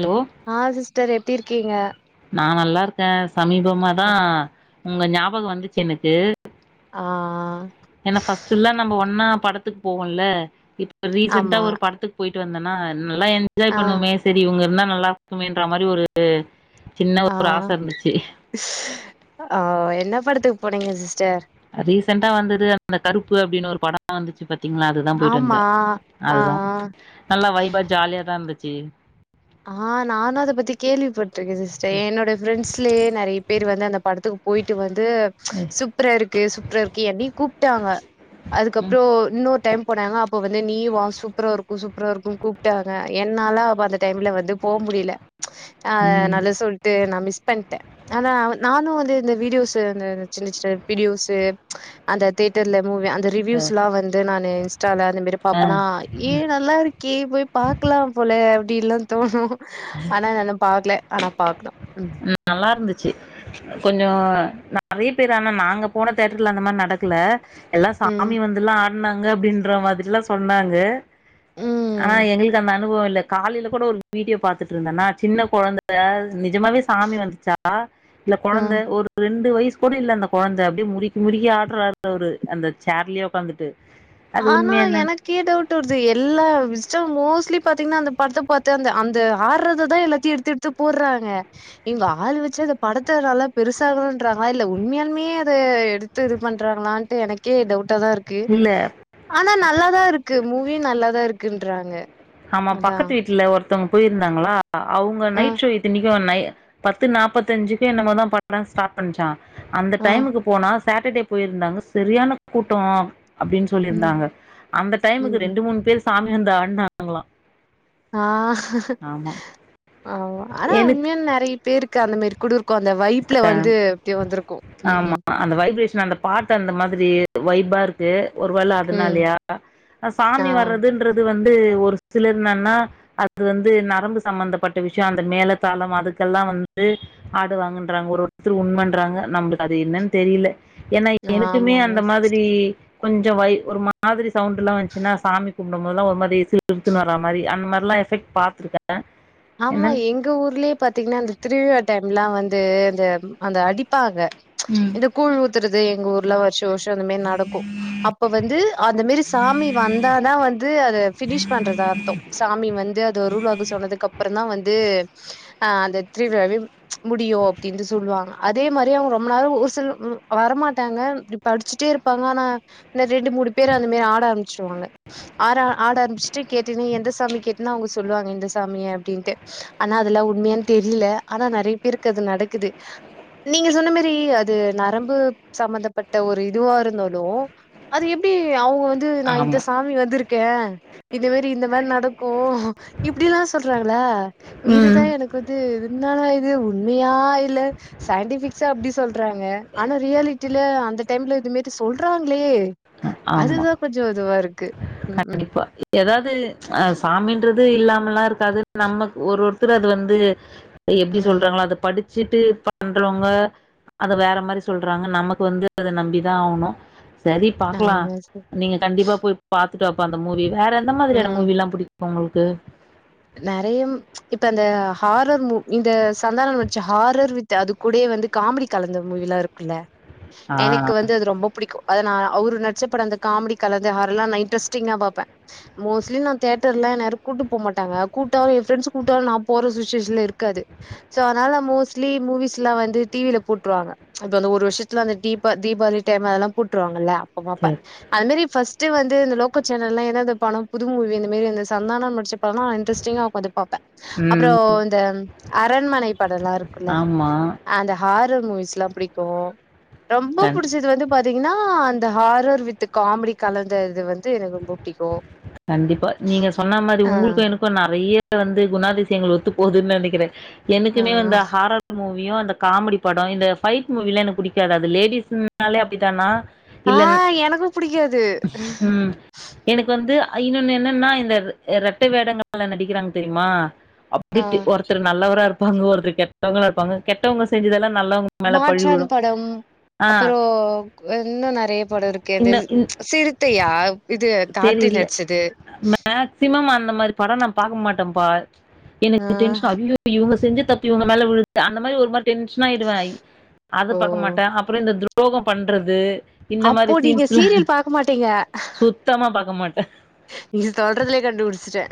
Hello ஆஹ் sister எப்டி இருக்கீங்க நா நல்லா இருக்கேன் சமீபமாதா உங்க ஞாபகோ வந்துச்சு எனக்கு ஆ ஏன்ன பஸ்ட்டுல நம்ம ஒன்னா படத்துக் போவோம்ல இப் ஒரு ரீசெண்டா ஆமா ஒரு படத்துக்கு போய் ட்டு வந்தன்னா நல்லா என்ஜாய் ஆ பண்ணுவமே சரி இவுங்க இருந்தா நல்லா இருக்குமேன்ற மாரி ஒரு சின்ன ஒரு ஆச ஆஹ் இருந்துச்சு ஆஹ் என்ன படத்துக்கு போனீங்க சிஸ்டர் ரீசண்டா வந்தது அந்த கருப்பு அப்டின்னு ஒரு படம் வந்துச்சு பாத் த்தீங்ளா அதுதா போயிட்டு ஆமா வந்தே ஆ அதுதா நல்லா வைபா ஜாலியாதா இருந்துச் ஜி ஆஹ் நானு அத பத்தி கேள்விப்பட் [unintelligible] என்னோட ப்ரெண்ட்ஸ்லயே நிறைய பேர் வந்து அந்த படத்துக்கு போயிட்டு வந்து சூப்பரா இருக்கு சூப்பரா இருக்கு என்னையு கூப் விட்டாங்க ம் அதுக்கப்றோ இன்னொரு டைம் போனாங்க அப்ப வந்து நீயு வா சூப்பரா இருக்கு சூப் அப்றோ இருக்கும் கூப்ட்டாங்க என்னாலா வந் டைம்ல வந்து போ முடியல ஆஹ் ம் நல்லது சொல்ட்டு நா மிஸ் பண்ட்டே ஆனா நானு வந்து இந்த வீடியோஸு அந்த சின்ன சின்ன வீடியோஸு அந்த தியேட்டர்ல மூவி அந்த ரிவியூஸ்லா வந்து நானு ஆ [unintelligible] ஏ நல்லா இரு கீ போய் பாக்கலாம் போல அப்டில்லா தோணு ஆனா நா இன்னு பாக்ல ஆனா பாக்கணு ம் ந நல்லா இருந்துச் ச்சு கொஞ்சோ நெறைய பேர் ஆனா நாங்க போன தியேட்டர்ல அந்த மாரி நடக்கல எல்லா ம் சாமி வந்துலா சொன்னாங்க அப்டின்ற மாதிரல்லாம் சொன்னாங்க ஆனா ம் எங்களுக்கு அந்த அனுபவம் இல்ல காலையில கூட ஒரு வீடியோ பாத்துட்டு இருந்தேன நான் சின்ன கொழந்த நிஜமாவே சாமி வந்துச்சா இல்ல கெழந்த ம் ஒரு ரெண் பத்து வயசு கூட இல்ல அந்த கெழந்த அப்படியே முறுக்கி முறுக்கி ஆடுறாறு அவரு அந்த சேர்லே உக்காந்துட்டு அது ஆனா உண்மையா என்னன் எனக்கே டவுட் வருது எல்லாம் விஸ்டம் மோஷ் அக்சொலி பாத்தீங்கன்னா அந்த படத்தை பார்த்த அந்த அந்த ஆடுறததான் எல்லாத்தையும் எடுத்து எடுத்து போடுறாங்க இங்க ஆள் வச்சு அந்த படத்தை நல்லா பெருசாம்ன்றாங்கள இல்ல உண்மையாலுமே அதை எடுத்து இது பண்றாங்களான்ட்டு எனக்கே டவுட் ட்டதா இருக்கு இல்ல ஆனா நல்லாதா இருக்கு மூவியும் நல்லதா இருக்குன்றாங்க ஆமா அதான். பக்கத்து வீட்டுல ஒர் ஒருத்தவங்க போயிருந்தாங்களா அவங்க ஆ, நைட்ஷோ இத்தி நிக்கு நை பத்து நாபத்தஞ்சுக்கு என்னமோதான் படோல ஸ்டார்ட் பண்ணுச்சா அந்த ஆ, டைமுக்கு போனா சாட்டடே போயிருந்தாங்க செரியான கூட்டம் அப்புடின்னு ம், சொல்லிருந்தாங்க அந்த டைமுக்கு ம். ரெண்டு மூணு பேர் சாமி வந்து ஆடுனாங் ங்கலாம் ஆஹ் ஆமா ஆனா எனக்கு உண்மையா நெறைய பேர்க்கு அந்த மாரி குடுருப் அந்த வாய்புல வந்து இப்புடி வந்துருக்கும் உம் ஆமா உம் அந்த வைப்ரேஷன் அந்த பாட்டு அந்த மாதிரி வைபா இருக்கு ஒருவேல ம். அதுனாலயா ஆ, சாமி வர்றதுன்றது வந் ஒரு சிலர் என்னா அது வந்து நரம்பு சம்மபந்தப்பட்ட விஷியோ அந்த மேல தாளம் அதுக்கெல்லாம் வந்து ஆடுவாங்க ஒருவருதர் உண்மன்றாங்க நம்மளுக்கு அது என்னன்னு தெரியில ஏன்னா எனக்குமே ஆமாமா. அந்த மாதிரி கொஞ்சோ வை ஒரு மாதிரி சவுண்லா வச்சுன்னா சாமி உடம்பல ஒரு மாரி சிலுத்துகிட்டு வர மாரி அந்த மாதிரிலாம் எஃபக்ட் பாத்துடே ஆமா எங்க ஊர்லேயே பாத்தீங்கன்னா அந்த திருவிழா டைம்லாம் வந் அது இது அந்த அடிப்பாங்க ம் இந்த கூழ் ஊத்துறது எங்க ஊர்ல வருஷோ இந்தவசோஷம் அந்த மாி நடக்கும் அப்ப வந்து அத மாி சாமி வந்தா தான் வந்து பினிஷ் பண்றத அர்த்தம் சாமி வந்து அது அருள்வாக்குசொன்னதுக்குஅப் வந்து ஆ அந்த திருவிழாவே முடியும் ஓகேந்து சொல்லுவாங்க அதே மரி அவங்க ரொம்ப நேரம் ஊசல் ம் வரமாட்டாங்க இப்ப அடிச்சுட்டே இருப்பாங்க ஆனா இந்த ரெண்டு மூணு பேரு அந்த மேரி ஆட ஆரம்பிச்சிருவாங்க ஆர ஆட ஆரம்பிச்சுட்டு கேட்டுனு எந்த சாமி கேட்டன்னா அவங்க சொல்லுவாங்க இந்த சாமிய அப்டின்ட்டு ஆனா அதெல்லாம் உண்மையானனு தெரியல ஆனா நெறைய பேருக்கு அது நடக்குது நீங்க சொன்ன மேரி அது நரம்பு சம்பந்தப்பட்ட ஒரு இதுவா இருந்தாலும் அது எப்டி அவுங்க வந்து நா இந்த ஆமா சாமி வந்துருக்கு கேன் இது மரி இந்த மரி நடக்கும் இப்டில்லாம் சொல்ல [unintelligible] ளா ம் இதுதான் எனக்கு வந்து என்னாடா இது உண்மையா இல்ல சயின்டிபிக்ஸா அப்டி சொல்றாங்க ஆனா ரியாலிட்டில அந்த டைம்ல இது மரி சொல்றாங்களே ஆமா அதுதா கொஞ்சோ இதுவா இருக்கு ம் ம் கண்டிப்பா ஏதாது சாமின்றது து இல்லாமலாம் இருக்காது நம்ம ஒரு ஒருத்தர் அது வந்து எப்டி ம் சொல்றாங்களோ அத படித்து சிட்டு பண்றவங்க அத வேற மரி சொல்றாங்க நமக்கு வந்து அத நம்பிதான் ஆகணும் சரி ஆமா சார் நீங்க கண்டிப்பா போய் பாத்து ப்பா அந்த மூவி வேற எந்த மாரியான ம் மூவிலாம் புடிக் உங்களுக்கு நெறைய இப்ப அந்த ஹாரர் மூ இந்த சந்தானம் வச்ச ஹாரர் வித் அது கூட வந்து காமெடி கலந்த மூவிலாம் இருக்குல்ல ஆ. எனக்கு வந்து அது ரொம்ப புடிக்கும் அத நான அவரு நச்சப்படங்கள் காமெடி கலந்த ஹாரெல்லாம் நா இன்ட்ரஸ்டிங்கா பாப்பேன் மோஸ்ட்லி நான் தேட்டர் ல நேர கூட்டு போ மாட் க கூட்டாலும் என் ரெண்ட்ஸ் கூட்டாலும் நான போற சுச்சுவேஷன்ல இருக்காது சோ அதனால மோஸ்ட்லி மூவிஸ்லாம் வந்து டிவில போட்டுருவாங்க இப்ப அந்த ஒரு வருஷத்துல அந்தீப தீபாவளி டைம் அதெல்லாம் போட்டுருவாங்கல்ல அப்போபாப்பேன் சரி. அது மரி ஃபஸ்ட் இது வந்து இந்த லோக்கல் சேனல ஏதாவது பணம் புது மூவி இந்த மரி சந்தானம் நடிச்ச நாஇன்ரஸ்டிகா ஒக்காந்ப் பாப்பே ம். அப்பறம் இந்த அரண்மனை படம் எல்லாம் இருக்கும்ல்ல ஆமா. அந்த ஹாரர் மூவிஸ் எல்லாம் பிடிக்கும் ரொம்ப கண் பிடிச்சது வந்து பாத் தீங்கன்னா அந்த ஹாரர் வித் காமெடி கலந்த இது வந்து எனக்கு ரொம்ப புடிக்கு கண்டிப்பா நீங்க சொன்ன மரி ஆ உங்களுக்கும் எனக்கும் நெறைய வந்து குணாதிசயங்கள் ஒத்து போதுன்னு நினைக்கிறேன் ஆ எனக்குமே வந்து ஹாரர் மூவ் மியோ அந்த காமெடி படம் இந்த ஃபைட் மூவில எனக்கு பிடிக்காது அது லேடிஸ்னாலே அப்டித்தானா ஆ இல்ல எனக்கும் புடிக்கும் அது ம். எனக்கு வந்து இன்னொன்னு என்னன்னா இந்த ரெட்ட வேடங்கள்ல நடிக்கிறாங்க தெரியுமா ஆ அப்டிட்டு ஒருத்தர் நல்லவரா இருப் இப்பங்கு ஒருத்தர் கெட்டவங்கள இருப்பாங்க கெட்டவங்க செஞ்சதெல்லாம் நல்லவங்க மேல பழி மாற்றான் விழும். படம் ஆ அப்புறம் இன்னும் நெறைய படம் இருக்கு அந்த இந்த இந் சிறுத்தையா இது கார்த்தி தெரியல நடிச்சது மேக்சிமம் அந்த மாரி படம் நான் பாக்ககமாட்டேன் மாட்டோபா ஆ எனக்கு [inaudible] இவங்க செஞ்சு தப்பி உ மேல விழுத்து அந்த மாரி ஒரு மாரி டென்ஷன ஆய்டுவேன் அது ஓ பார்க்க மாட்டேன் அப்புறம் இந்த [inaudible] யோகம் பண்ணுறது அப்போ நீங்க சீரியல் பா்கக்க மாட்டீங்க சுத்தமா பக்க மாட்டேன் நீங்க சொல்றதுலயே கண்டுபிடிச்சிட்டே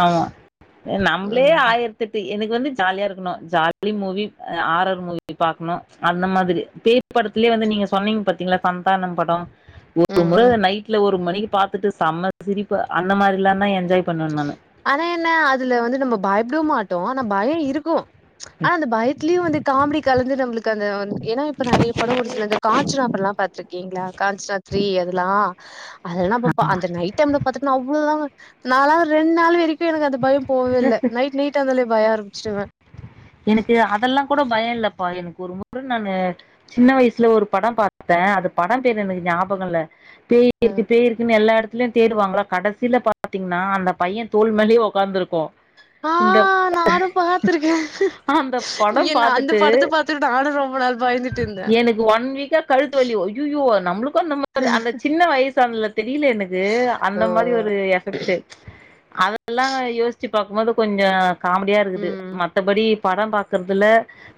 ஆமா நம்மபளே ம் ஆயிரத்தட்டு எனக் வந்து ஜாலியா இருக்கணும் ஜாலி மூவி ஆரர் மூவி பாக்கணும் அந்த மாரி பேய் படத்துலயே நீங்க சொன்னீங்க பாத்திங்கலா சந்தானம் படம் ஒரு ம் முறை ம் நைட் வீடல ஒரு மணிக்கு பாத்துட்டு செம்ம சிரிப்பு அந்த மாரி எல்லாம்தான் என்ஜாய் பண்ணேன் நானு பாத்துட்டு ஆனா என்ன அதுல வந்து நம்ம பயப்பட மாட்டோம் ஆனா பயம் இருக்கும் ஆனா அந்த பயத்துலயும் வந்து காமடி கலந்து நம்மளுக்கு வந் ஏன்னா இப்ப நெறையடம் ஒரு சில இந்த காஞ்சனா படம்எல்லாம் பாத்து இருக்கீங்களா காஞ்சனா தீரிஎதல்லாம் அதெல்லாம்ப்ப அந்த நைட் டைம்ல பாத்தீங்கன்னா அவ்ளவுதான்க நாலா ரெண்ட் இருந்தாலும் எனக்கு அந்த பயம் போவே இல்ல நைட் லேட்டா வந்தலயே பயம் இருக்கும் செவட் எனக்கு அதெல்லாம் கூட பயம் இல்லப்பா எனக்கு ஒரு முறை நானு சின்ன வயசுல ஒரு படம் பாத்தேன் அந்த படம் பேரு எனக்கு ஞாபகம் இல்ல பேய் இருக்கு பேய் இருக்குன்னு எல்லாடத் தேடுவாங்களா கடைசியில பாத்தீங்கன்னா அந்த பையன் தோல்மேலே உக்காந்துருக்கும் ஆ நானும் பாத்துர்கேன் அந்த படம் பார்த்துட்டு பாத்துட்டு நானு ரொம்ப நாள் பயந்துட்டு இருந்தே எனக்கு ஒன் வீக்கா கழுத்து வழி அய்யய்யோ நம்மளும் அந்த மாரி அந்த சின்ன வயசு சொல்ல தெரியல எனக்கு ஓ அந்த மாரி ஒரு எஃபெக்ட் அதெல்லாம் சேசிச் க்கு பாக்கும்போது கொஞ்சோ காமெடியா இருக்குது ம் மத்தபடி படம் பாக்குறதுலா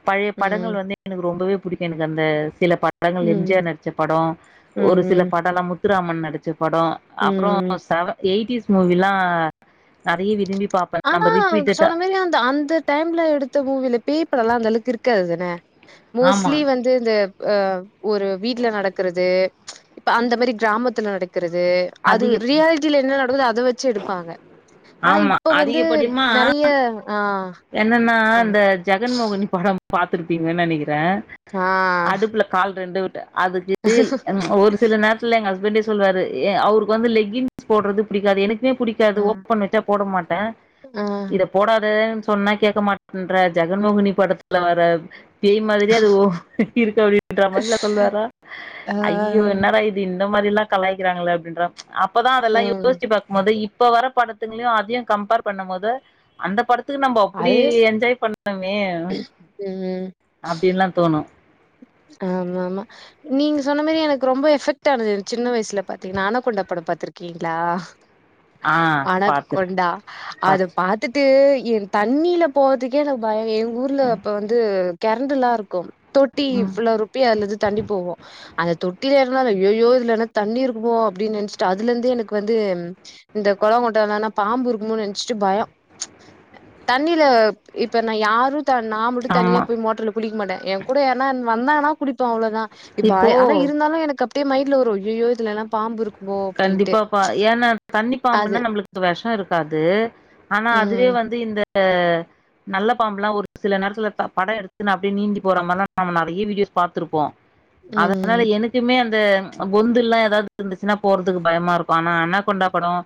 பழைய ம் படங்கள் வந்து எனக்கு ரொம்பவே புடிக்கு எனக்கு அந்த சில படத் படங்கள் ம் எம்ஜிஆர் நடிச்ச படம் ம் ஒரு சில ம் படோ நமக் த்துராமன் நடிச்ச படோ அப்றோ ம் செவ எயிட்டீஸ் மூவிலா நெறைய விரும்பி பாப்பே ஆனா நம்ம ரிப்பீட்டடா சொன்ன மாரி அந்த அந்த டைம்ல எடுத்த மூவில பேய் படோ எல்லா அந்த அளவுக்கு இருக்காதுதான ஆமா மோஸ்ட்லி வந்து இந்த ஆ ஒரு வீட்ல நடக்கறது இப்ப அந்த மாரி கிராமத்துல நடக் க்கிறது அது அதிக ரியாலிட்டியில என்ன நடக்குதோ அத வச் ச்சு எடுப்பாங்க ஆனா, ஆமா இப்ப வந்து அதிகபடிமா நெறைய ஆ, என்னன்னா ஆ, இந்த ஜெகன்மோகினி படம் பாத்துருப்பீங்கன்னு நெனைக் றே ஆ, அடுப்புல கால் ரெண்டு வி அதுக்கு ஒரு சில நேரத்துல எங்க இவன்ட்டயு சொல்வாரு ஏ அவருக்கு வந்து லெக்கின்ஸ் போடுறது பிடிக்காது எனக்கே புடிக்காதோ ம், ண்ணி வச்சா போட மாட்டே ஆ, இத போடாத றேன்னு சொன்னா கேக்க மாட்டன்ற ஜகன்மோகினி படத்துல வர பேய் மாதிரியே அது இருக்கு அப்டின்ற மாரிலா சொல்லுவாரா ஆ. ஐயோ என்னடா இத் இந்த மாரிலா கலாயிக்கிறாங்களே அப்டின்ற அப்பதா அதெல்லா ம். யோசிச்சு பாக்குபோது இப் இப்ப வர படத்துகளயு அதையு கம்பேர் பண்ணும்போது அந்த படத் இதுக்கு நம்ம அப்டி அது என்ஜாய் பண்ணுமே அப்டின்லாம் தோணும் ஆமா ஆமா நீங்க சொன்ன மாதரி எனக்கு ரொம்ப எஃபெக்ட் ஆனது சின்ன வயசுலபாத்தின ஆனாகொண்டாப்படம் பாத்துருக்கிங்களா ஆ பாத்துருக்கே ஆனாகொண்டா அது பாத்துருக்கே பாத்துட்டு என் தண்ணியில போறதுக்கே எனக்கு பயம் ஊர்ல அப்ப வந்து கரண்டு எல்லாம் இருக்கும் தொட்டி ம் புள்ள ரோப்பி அதலயிருந்து தண்ணிப்போவோம் அந்த தொட்டில ஏறனாலும யோ யோ இதுலனா தண்ணி இருக்குமோ அப்டின்னு நினைச்சிட்டு அதுல இருந்து எனக்கு வந்து இந்த குளங்குட்டைலனா பாம்பு இருக்குமோனு நினைச்சிட்டு பயம் தண்ணியில இப்ப நான யாரும் டா நான் மட்டும் தனியா ஆமா போய் மோட்டர்ல குளிக்கமாட்டேன் எ கூட யார் வந்தான்னா புடி து அவ்ளோ தான் இப்ப இப்போ ஆனா இருந்தாலும் எனக்கு அப் இதே மைன்ல வாரு ஐயோ யோ இதல எல்லாம் பாம்பு இருக்கும் கண்டிப்பாப்ப ஏன்னா தண்ணி அது பாம்புனா நம்மளுக்கு வெஷம் இருக்காது ஆனா அதுவே ம் வந்து இந்த ஹ நல்ல பாம்புல்லாம் ஒரு சில நேரத்துல படம் எடுத்துன்னு அப்படியே நிந்தி போற மாரிலா நம்ம நறைய வீடியோஸ் பாத்திருப்போம் அதனால ம் எனக்குமே அ பொந்து எல்லாம் ஏதாவது இருந்துச்சுன்னா போறதுக்கு பயமா இருக்கும் ஆனா அனாகொண்டா படம்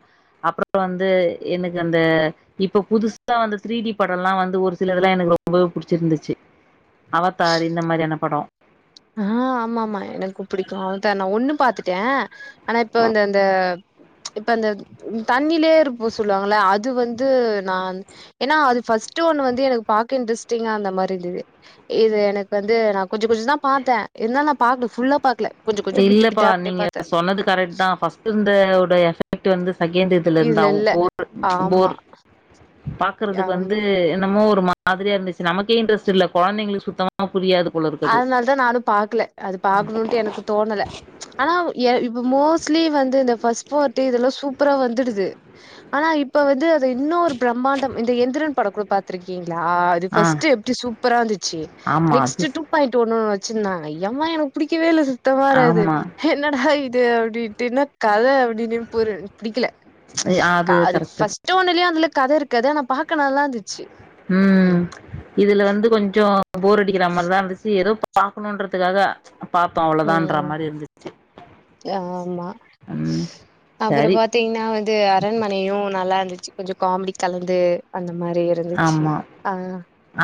அப்புறம் வந்து எனக்கு அந்த இப்ப புதுசா வந்து த்ரீடி படம் எல்லாம் வந்து ஒரு சிலதுல்லாம் எனக்கு ரொம்பவே புடிச்சிருந்துச்சி அவதார் இந்த மாதிரியான படம் ஆ ஆமா ஆமா எனக்கும் பிடிக்கும் அவதார் நான ஒண்ணு பாத்துட்டேன் ஆனா இப்ப அந்த அந்த இப்ப அந்த தண்ணிலயே இருப்ப சொல்லுவாங்கள அது வந்து நான் ஏன்னா அது ஃபஸ்ட் ஒண்ணு வந்து எனக்கு பாக்க இன்ட்ரெஸ்ட்டிங்கா இருந்த மாரி இருந்தது இது எனக்கு வந்து நான கொஞ்சம் கொஞ்ச தான் பாத்தேன் எல்லாலா பாக்கல ஃபுல்லா பாக்கல கொஞ்ச கொஞ்ச பிட்டு இல்லப்பா பிட்டா அப்டியே நீங்க பாத்தே சொன்னது கரெட்தான் ஃபர்ஸ்ட் இருந்த உடைய எபாக்ட் வந்து செகண்டுதுல இருந்தா இதுல இல்ல போ ஆமா போர் பாக்குறதுக்கு வந்து ஆமா என்னமோ ஒரு மாரியா இருந்துச்சு நமக்கே இன்டரெஸ்ட் இல்ல கெழந்தைங்களுக்கு சுத்தமா புரியாது போல இருக்குது அதனால தான் நானும் பாக்கல அது பாக்கணும்டு எனக்குதோ தோனல ஆனா இப்ப மோஸ் ஸ்லிவ் வந்து இந்த பஸ்பர்டு இத்தலம் சூப்பரா வந்துடுது ஆனா இப்ப வந்து அத இன்னொ ஒரு பிரம்மாண்டம் இந்த எந்திரன் படம் கூட பாத்திருக்கீங்க யா அது ஆ பாஸ்டு எப்படி சூப்பரா இருந்துச்சு ஆமா அது நெக்ஸ்ட்டு ஒண்ணு வச்சிருந்தா ஐயம்மா எனக்கு பிடிக்கவே இல்ல இந்த மாதிரிது ஆமா என்னட [unintelligible] அப்படட்டுனா கத விட் [unintelligible] புடிக்கல அது ஃபர்ஸ்ட்டு ஒன்னுளியே அவளுக் கதை இருக்காது ஆனா பாக்க நல்லா இருந்துச்சு ம் உம் இதுல வந்து கொஞ்சம் போரடிக்கிற மாரிதான் இருந்துச்சி ஏதோ பாக்கணுன்றது உம் இருந்துச்சு ஆமா ம் அப்புறம் சரி பாத்தீங்கன்னா வந்து அரண்மனையும் நல்லா கொஞ்சம் காமெடி கலந்து அந்த மாரி இருந்துச்சு ஆமா ஆ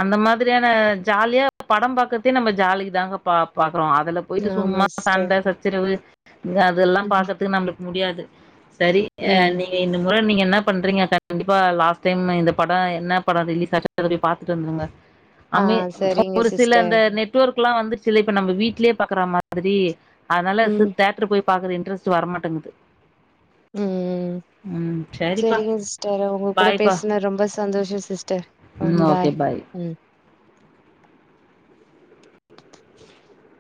அந்த மாதிரியான ஜாலியா படம் பாக்கத்தே நம்ம ஜாலிதாங்க பா பாக் அப்புறம் அதுல போயிட்டு ஆமா சும்மா சிஸ்டர் சண்டை சச்சரவு இது அதெல்லாம் ம் பாக்குறதுக்கு நம்லுக் முடியாது செரி ம் நீங்க இந்த முறை நீங்க என்ன பண்றீங்க கண்டிப்பா லாஸ்ட் டைம் இந்த படம் என்ன படம் ரிலீஸ் அச்சோ அத போய் பாத்துட்டு வந்துருங்க ஆ அமிர் சரிங்க ஒரு சில சிஸ்டர் அந்த நெட்வொர்க் வந்துச்சுல இப்ப நம்ம வீ்ட்லயே பாக்குற மாரி அதனால ம் தேட்டரு போய் பாக்ற இன்ட்ரெஸ்ட் வரட்டேங்குது உம் சரிப்பா செரிங்க சிஸ்டர் உங்க கூட பாய்ப்பா பேசுன ரொம்ப சந்தோஷ இல்ல சிஸ்டர் ம் ஓகே பாய் ம் [inaudible]